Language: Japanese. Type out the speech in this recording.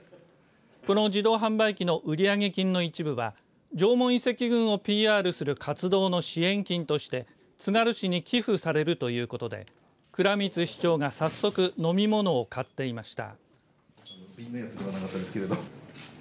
この自動販売機の売上金の一部は縄文遺跡群をＰＲする活動の支援金としてつがる市に寄付されるということで倉光市長が早速、飲み物を買っていました。